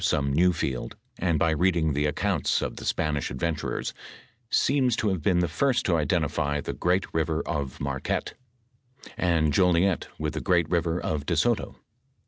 flome new field, and by reading the acconnto of tbo Spanish adventurers, seems to have been the first to identify the great river of Marquette, and Jolliet with the great river of Do Soto.